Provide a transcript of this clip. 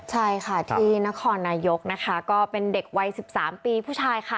ใช่ค่ะที่นครนายกนะคะก็เป็นเด็กวัย๑๓ปีผู้ชายค่ะ